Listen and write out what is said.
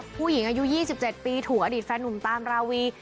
ผู้หญิงอายุ๒๗ปีถูกอดีตแฟนหนุ่มตามราวี